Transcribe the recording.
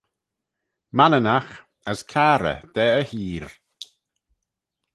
Manninagh as carrey da e heer.